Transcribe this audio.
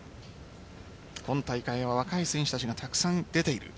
今大会は若い選手たちがたくさん出ている。